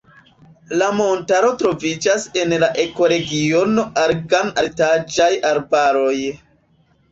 La montaro troviĝas en la ekoregiono alegan-altaĵaj arbaroj.